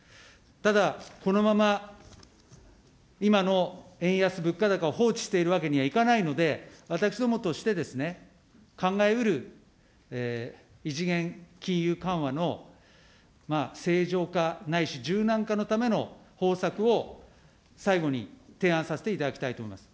ただ、このまま今の円安物価高を放置しているわけにはいかないので、私どもとして考えうる異次元金融緩和の正常化ないし柔軟化のための方策を最後に提案させていただきたいと思います。